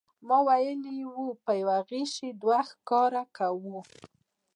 ما ویلي و په یوه غیشي دوه ښکاره کوو.